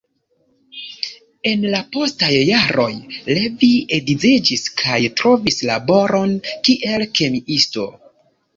En la postaj jaroj, Levi edziĝis kaj trovis laboron kiel kemiisto.